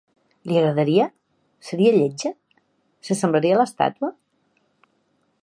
Li agradaria? Seria lletja? S'assemblaria a l'estàtua?